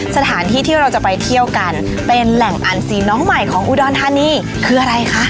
สถานที่ที่เราจะไปเที่ยวกันเป็นแหล่งอันซีน้องใหม่ของอุดรธานีคืออะไรคะ